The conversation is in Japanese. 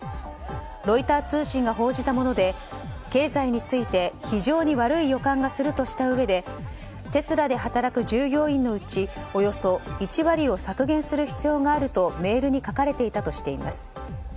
ロイター通信が報じたもので経済について非常に悪い予感がするとしたうえでテスラで働く従業員のうちおよそ１割を削減する必要があるとメールに書かれていたとしています。